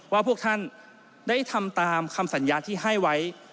ว่าพวกท่านได้ทำตามคำสัญญาที่ให้ไว้